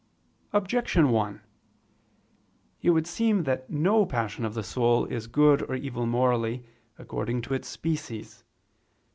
Objection 1: It would seem that no passion of the soul is good or evil morally according to its species.